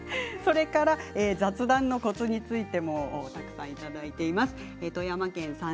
雑談のコツについてもたくさんいただいています。